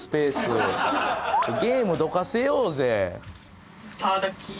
ゲームどかせようぜ。